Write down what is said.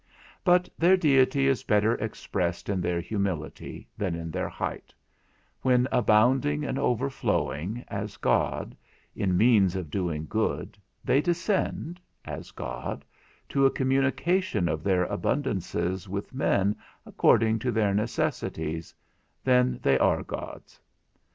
But their deity is better expressed in their humility than in their height; when abounding and overflowing, as God, in means of doing good, they descend, as God, to a communication of their abundances with men according to their necessities, then they are gods.